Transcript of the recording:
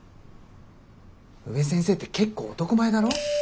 宇部先生って結構男前だろ。